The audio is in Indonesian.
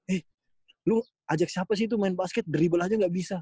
eh lu ajak siapa sih itu main basket drible aja gak bisa